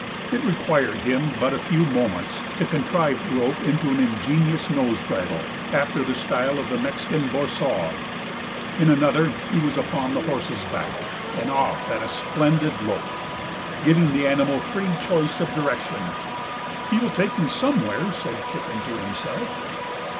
It required him but a few moments to contrive the rope into an ingenious nose bridle, after the style of the Mexican borsal. In another he was upon the horse's back and off at a splendid lope, giving the animal free choice of direction. "He will take me somewhere," said Chicken to himself.